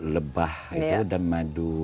lebah itu dan madu